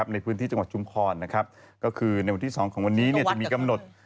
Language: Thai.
ในพื้นที่จังหวัดชุมพรก็คือในวันที่๒ของวันนี้จะมีกำหนด